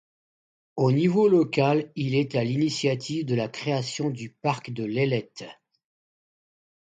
Au niveau local, il est à l'initiative de la création du Parc de l'Ailette.